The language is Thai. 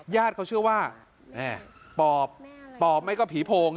ญาติเขาเชื่อว่าแม่ปอบปอบไหมก็ผีโพง